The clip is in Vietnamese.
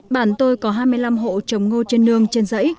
bạn tôi có hai mươi năm hộ trồng ngô trên lương trên giấy